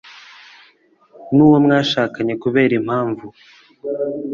n'uwo mwashakanye kubera impamvu